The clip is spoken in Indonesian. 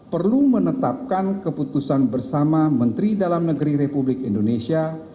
perlu menetapkan keputusan bersama menteri dalam negeri republik indonesia